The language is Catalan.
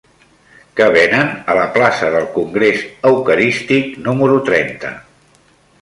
Què venen a la plaça del Congrés Eucarístic número trenta?